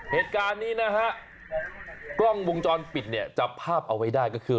เหตุการณ์นี้นะฮะกล้องวงจรปิดเนี่ยจับภาพเอาไว้ได้ก็คือ